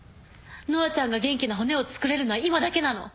乃愛ちゃんが元気な骨を作れるのは今だけなの。